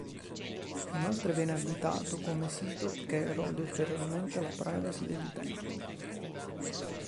Inoltre viene additato come sito che erode ulteriormente la privacy degli utenti.